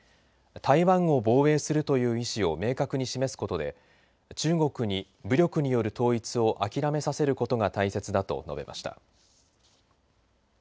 台湾を防衛するという意思を明確に示すことで中国に、武力による統一を諦めさせることが大切だと述べました。